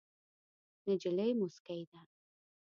نجلۍ موسکۍ ده.